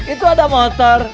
itu ada motor